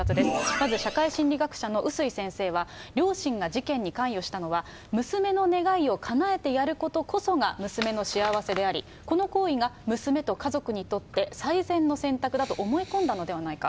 まず社会心理学者の碓井先生は、両親が事件に関与したのは、娘の願いをかなえてやることこそが娘の幸せであり、この行為が娘と家族にとって最善の選択だと思い込んだのではないか。